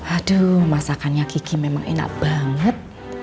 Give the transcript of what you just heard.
aduh masakannya kiki memang enak banget